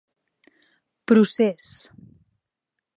Procés: